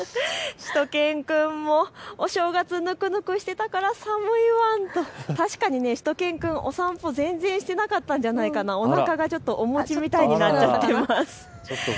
しゅと犬くんもお正月ぬくぬくしていたから寒いワンと確かにしゅと犬くん、お散歩全然していなかったんじゃないかな、おなかがお餅みたいになっちゃっています。